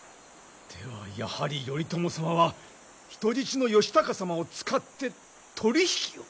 ではやはり頼朝様は人質の義高様を使って取り引きを？